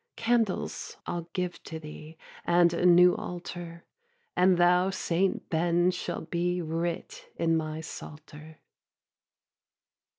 Candles I'll give to thee, And a new altar; And thou, Saint Ben, shalt be Writ in my psalter.